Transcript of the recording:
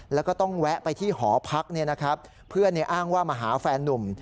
แล้วก็ต้องแวะไปที่หอพักเพื่อนอ้างว่ามาหาแฟนนุ่ม